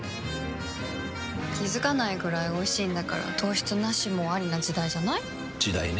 気付かないくらいおいしいんだから糖質ナシもアリな時代じゃない？時代ね。